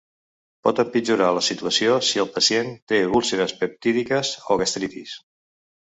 Pot empitjorar la situació si el pacient té úlceres peptídiques o gastritis.